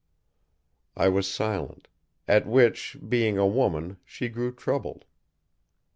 I was silent. At which, being a woman, she grew troubled.